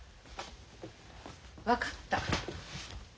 分かった。